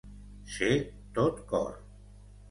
Ser tot cor.